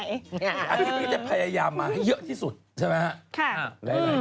นี่เราก็คิดว่าเฮ่ยแหยามาให้เยอะที่สุดใช่มั้ยฮะ